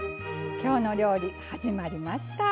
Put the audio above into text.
「きょうの料理」始まりました。